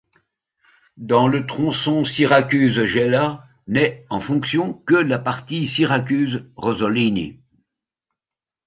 Dans le tronçon Syracuse-Gela, n'est en fonction que la partie Syracuse-Rosolini.